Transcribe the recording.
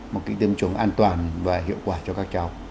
một cái tiêm chủng an toàn và hiệu quả cho các cháu